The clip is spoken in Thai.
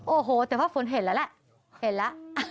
โอ้โหแต่ว่าฝนเห็นแล้วแหละ